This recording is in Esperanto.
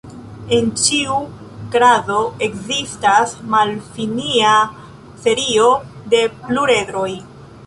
En ĉiu krado ekzistas malfinia serio de pluredroj.